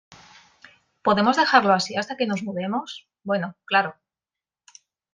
¿ Podemos dejarlo así hasta que nos mudemos? Bueno, claro.